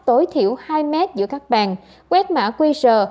tối thiểu hai m giữa các bàn quét mã quy rờ